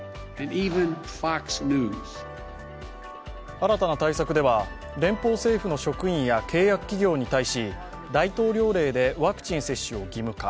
新たな対策では連邦政府の職員や契約企業に対し、大統領令でワクチン接種を義務化。